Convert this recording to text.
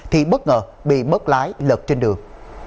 thì bất ngờ bị bớt lái lật trên đường